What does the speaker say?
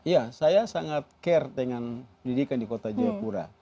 ya saya sangat care dengan pendidikan di kota jayapura